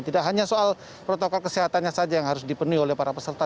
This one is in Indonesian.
tidak hanya soal protokol kesehatannya saja yang harus dipenuhi oleh para peserta